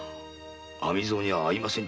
「網蔵には会いません」